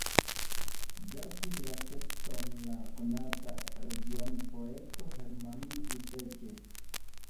Verkis la tekston la konata regionpoeto Hermann Iseke.